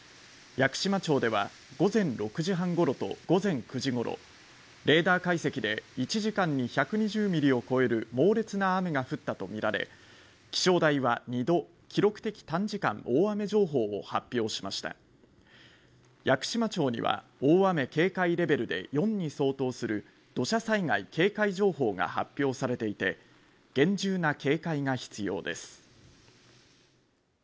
屋久島町では午前６時半ごろと午前９時ごろレーダー解析で１時間に１２０ミリを超える猛烈な雨が降ったと見られ気象台は２度記録的短時間大雨情報を発表しました屋久島地方には大雨警戒レベルで４に相当する土砂災害警戒情報が発表されていて厳重な警戒が必要です